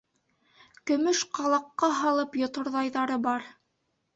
Көмөш ҡалаҡҡа һалып йоторҙайҙары бар!